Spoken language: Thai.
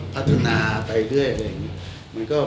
พัฒนาไปเรื่อย